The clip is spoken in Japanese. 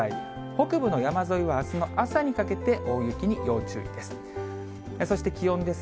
北部の山沿いはあすの朝にかけて大雪に要注意です。